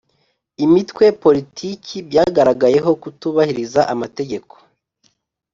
Imitwe politiki byagaragayeho kutubahiriza amategeko